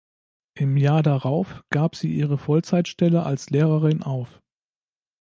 Im Jahr darauf gab sie ihre Vollzeitstelle als Lehrerin auf.